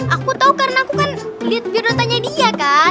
aku tau karena aku kan liat video tanya dia kan